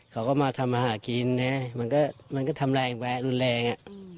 เขาก็มาทำอาหารกินมันก็ทำลายแวะรุนแรง